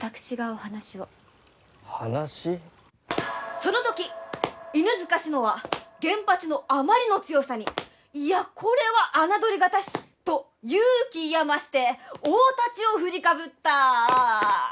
その時犬塚信乃は現八のあまりの強さに「いやこれは侮りがたし」と勇気いや増して大太刀を振りかぶった。